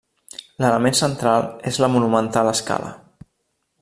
L'element central és la monumental escala.